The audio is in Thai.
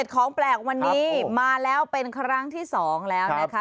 ของแปลกวันนี้มาแล้วเป็นครั้งที่๒แล้วนะคะ